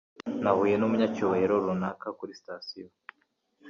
Nahuye numunyacyubahiro runaka kuri sitasiyo.